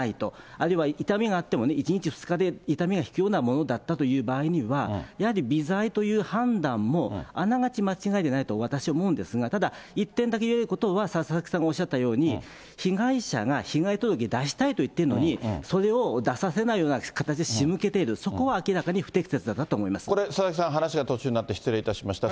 あるいは痛みがあってもね、１日、２日で痛みが引くようなものだったというような場合には、やはり微罪という判断も、あながち間違いでないと、私、思うんですが、ただ、一点だけ言えることは、佐々木さんがおっしゃったように、被害者が被害届出したいと言ってるのに、それを出させないような形で仕向けている、そこは明らかに不適切これ、佐々木さん、話が途中になって失礼いたしました。